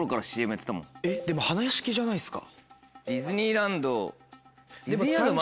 でも花やしきじゃないですか。